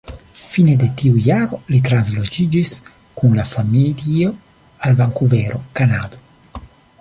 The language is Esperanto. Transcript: Fine de tiu jaro li transloĝiĝis kun la familio al Vankuvero, Kanado.